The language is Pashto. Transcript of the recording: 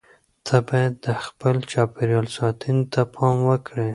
ته باید د خپل چاپیریال ساتنې ته پام وکړې.